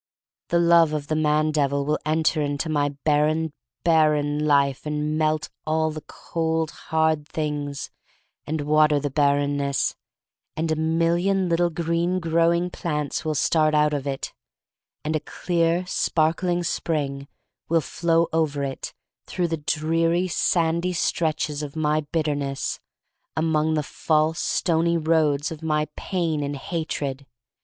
The love of the man devil will enter into my barren, barren life and melt all the cold, hard things, and water the barrenness, and a million little green growing plants will start out of it; and a clear, sparkling spring will flow over it — through the dreary, sandy stretches of my bitterness, among the false stony roadways of my pain and hatred.